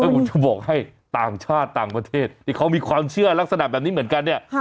ผมจะบอกให้ต่างชาติต่างประเทศที่เขามีความเชื่อลักษณะแบบนี้เหมือนกันเนี่ย